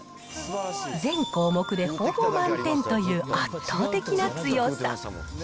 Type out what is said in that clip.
全項目でほぼ満点という圧倒的な強さ。